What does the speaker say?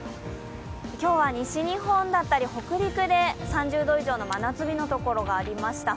今日は西日本だったり、北陸で３０度以上の真夏日のところがありました。